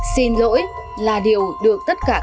xin lỗi là điều được tất cả các bộ